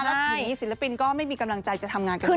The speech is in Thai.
แล้วทีนี้ศิลปินก็ไม่มีกำลังใจจะทำงานกันเลย